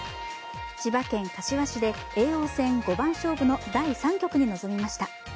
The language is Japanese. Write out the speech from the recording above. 千葉県柏市で叡王戦五番勝負の第３局に臨みました。